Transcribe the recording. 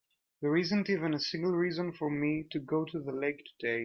There isn't even a single reason for me to go to the lake today.